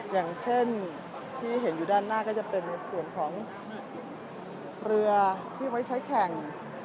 อย่างเช่นที่เห็นอยู่ด้านหน้าก็จะเป็นในส่วนของเรือที่ไว้ใช้แข่ง